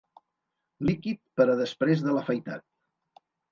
Líquid per a després de l'afaitat.